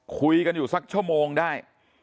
คุยกันอยู่สักชั่วโมงได้